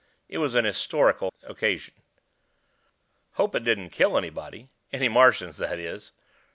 It was an historical occasion. "Hope it didn't kill anybody. Any Martians, that is.